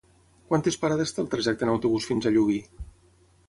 Quantes parades té el trajecte en autobús fins a Llubí?